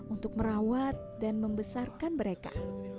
untuk merawat dan membesarkan mereka